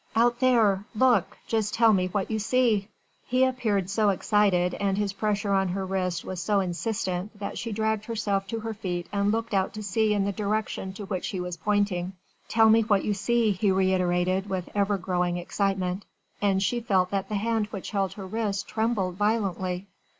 "Out there! Look! Just tell me what you see?" He appeared so excited and his pressure on her wrist was so insistent that she dragged herself to her feet and looked out to sea in the direction to which he was pointing. "Tell me what you see," he reiterated with ever growing excitement, and she felt that the hand which held her wrist trembled violently.